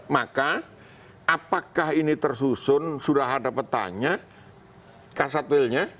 maka apakah ini tersusun sudah ada petanya kasatwilnya